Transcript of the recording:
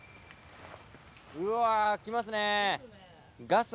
うわ来ますね。